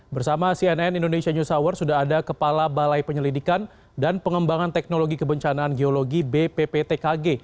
bersama cnn indonesia news hour sudah ada kepala balai penyelidikan dan pengembangan teknologi kebencanaan geologi bpptkg